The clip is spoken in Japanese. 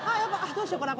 どうしようかな？